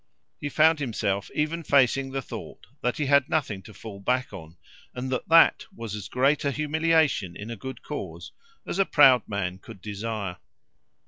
He found himself even facing the thought that he had nothing to fall back on, and that that was as great an humiliation in a good cause as a proud man could desire.